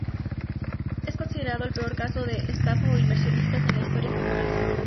Es considerado el peor caso de estafa a inversionistas en la historia japonesa.